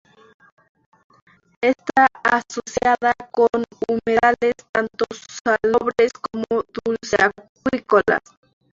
Está asociada con humedales tanto salobres como dulceacuícolas.